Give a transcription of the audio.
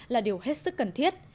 là điều hết sức cần thiết